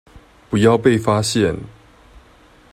不要被發現